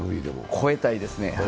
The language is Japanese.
超えたいですね。